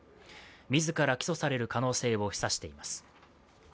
自ら、起訴される可能性を示唆しています。